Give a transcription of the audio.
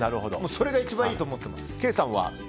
それが一番いいと思ってます。